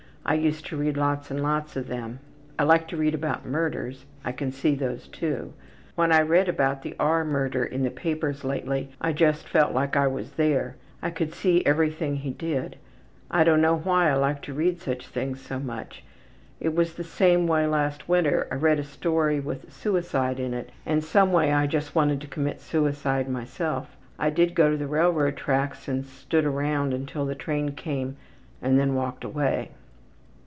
I used to read lots and lots of them. I like to read about murders. I can see those too. When I read about the R. murder in the papers lately I just felt like I was there. I could see everything he did. I don't know why I like to read such things so much. It was the same way last winter. I read a story with suicide in it and someway I just wanted to commit suicide myself. I did go to the railroad tracks and stood around until the train came and then walked away.